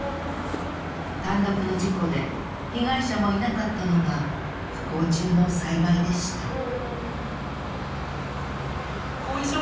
単独の事故で被害者もいなかったのが不幸中の幸いでした。